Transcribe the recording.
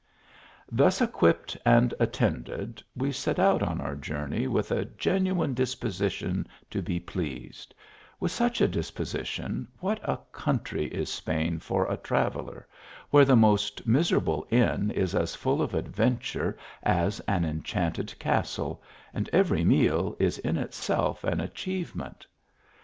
Thus equipped and attended, we set out on our journey with a genuine disposition to be pleased : with such a disposition, what a country is Spain for a traveller, where the most miserable inn is as full of adventure as an enchanted castle, and every meal is in itself an achievement